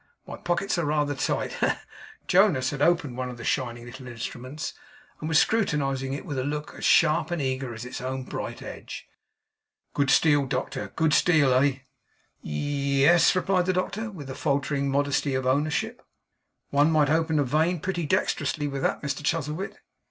My pockets are rather tight. Ha, ha, ha!' Jonas had opened one of the shining little instruments; and was scrutinizing it with a look as sharp and eager as its own bright edge. 'Good steel, doctor. Good steel! Eh!' 'Ye es,' replied the doctor, with the faltering modesty of ownership. 'One might open a vein pretty dexterously with that, Mr Chuzzlewit.